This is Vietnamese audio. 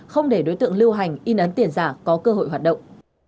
không để đối tượng lưu hành in ấn tiền giả có cơ hội hoạt động